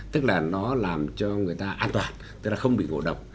tức là nó làm cho người ta an toàn tức là không bị ngộ độc